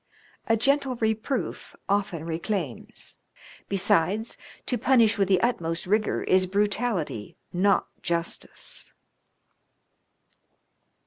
A gentle reproof often reclaims ; besides, to punish with the utmost rigour is brutality, not justice."